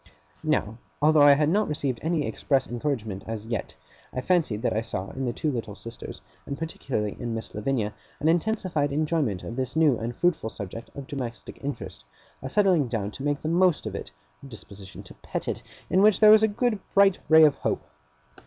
Now, although I had not received any express encouragement as yet, I fancied that I saw in the two little sisters, and particularly in Miss Lavinia, an intensified enjoyment of this new and fruitful subject of domestic interest, a settling down to make the most of it, a disposition to pet it, in which there was a good bright ray of hope.